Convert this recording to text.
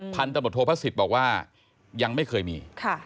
พันธบทศิษย์บอกว่ายังไม่เคยมี